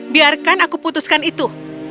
biarkan aku putuskan itu